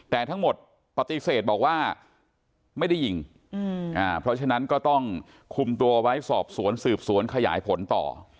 แต่ทั้งหมดปฏิเสธบอกว่าไม่ได้ยิงเพราะฉะนั้นก็ต้องคุมตัวไว้สอบสวนสืบสวนขยายผลต่อ